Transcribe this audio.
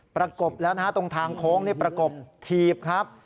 ประกบแล้วนะฮะตรงทางโค้งนี่ประกบถีบครับ